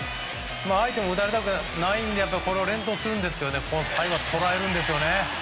相手も打たれたくないので連投するんですが最後は捉えるんですよね。